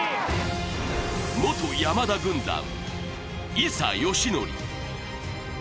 元山田軍団、伊佐嘉矩。